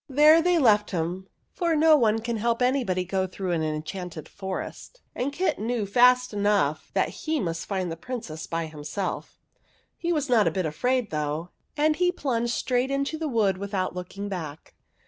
There they left him, for no one can help anybody to go through an enchanted forest, and Kit knew fast enough that he must find the Princess by himself. He was not a bit afraid, though, and he plunged straight into the wood without looking back.